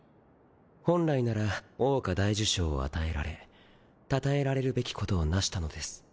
本来なら桜花大綬章を与えられたたえられるべきことを成したのです。